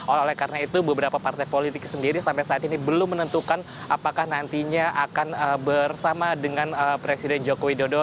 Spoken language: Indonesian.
oleh karena itu beberapa partai politik sendiri sampai saat ini belum menentukan apakah nantinya akan bersama dengan presiden joko widodo